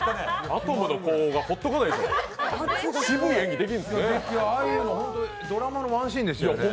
ああいうの本当、ドラマのワンシーンですよね。